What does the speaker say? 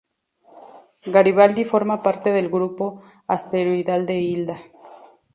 Garibaldi forma parte del grupo asteroidal de Hilda.